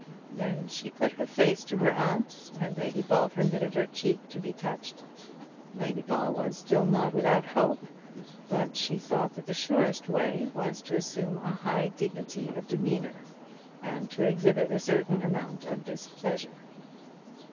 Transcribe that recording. Then she put her face to her aunt, and Lady Ball permitted her cheek to be touched. Lady Ball was still not without hope, but she thought that the surest way was to assume a high dignity of demeanour, and to exhibit a certain amount of displeasure.